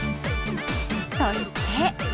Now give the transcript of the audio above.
そして。